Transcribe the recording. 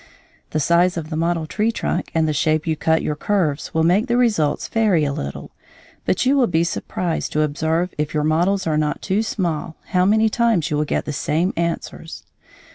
The size of the model tree trunk and the shape you cut your curves will make the results vary a little, but you will be surprised to observe, if your models are not too small, how many times you will get the same answers.